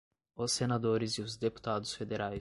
os senadores e os deputados federais